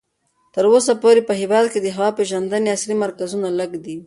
تر اوسه پورې په هېواد کې د هوا پېژندنې عصري مرکزونه لږ دي.